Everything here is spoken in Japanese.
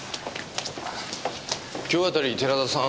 今日あたり寺田さん